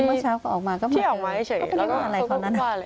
เมื่อเช้าก็ออกมาก็ไม่เคยพูดว่าอะไรของเขา